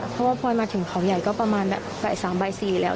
เพราะว่าพลอยมาถึงเขาใหญ่ก็ประมาณแบบบ่าย๓บ่าย๔แล้ว